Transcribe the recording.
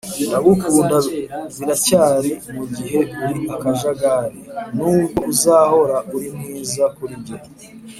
ndagukunda biracyari mugihe uri akajagari (nubwo uzahora uri mwiza kuri njye)